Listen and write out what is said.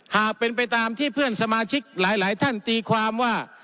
หากเป็นไปตามที่เพื่อนสมาชิกหลายท่านตีความว่า